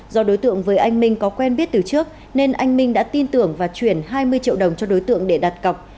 do đối tượng với anh minh có quen biết từ trước nên anh minh đã tin tưởng và chuyển hai mươi triệu đồng cho đối tượng để đặt cọc